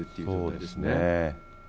そうですね。